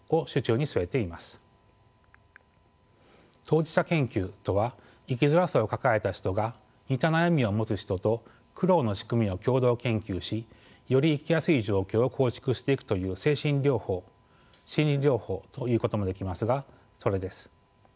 当事者研究とは生きづらさを抱えた人が似た悩みを持つ人と苦労の仕組みを共同研究しより生きやすい状況を構築していくという精神療法心理療法と言うこともできますがそれです。